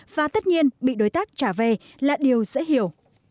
và tất nhiên bị đối tác trả về là điều dễ hiểu